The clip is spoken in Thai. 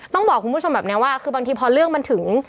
ต้องบอกคุณผู้ชมแบบนี้ว่าคือบางทีพอเรื่องมันถึง